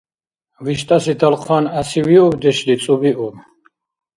ВиштӀаси талхъан, гӀясивиубдешли цӀубиуб.